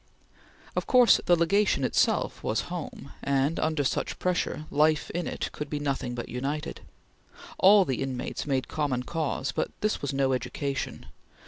Of course the Legation itself was home, and, under such pressure, life in it could be nothing but united. All the inmates made common cause, but this was no education.